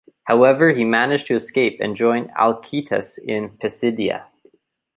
However, he managed to escape and join Alcetas in Pisidia.